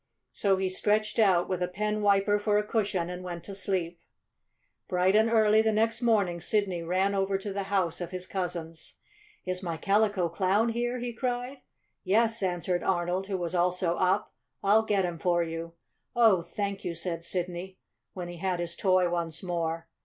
So he stretched out, with a pen wiper for a cushion, and went to sleep. Bright and early the next morning Sidney ran over to the house of his cousins. "Is my Calico Clown here?" he cried. "Yes," answered Arnold, who was also up. "I'll get him for you." "Oh, thank you!" said Sidney, when he had his toy once more.